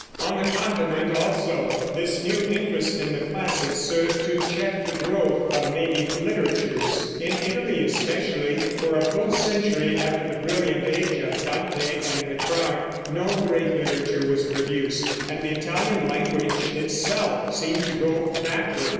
On the Continent, also, this new interest in the classics served to check the growth of native literatures. In Italy especially, for a full century after the brilliant age of Dante and Petrarch, no great literature was produced, and the Italian language itself seemed to go backward.